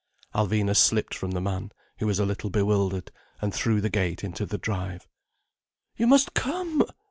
Alvina slipped from the man, who was a little bewildered, and through the gate into the drive. "You must come!"